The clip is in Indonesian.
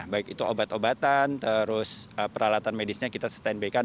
baik itu obat obatan terus peralatan medisnya kita stand by kan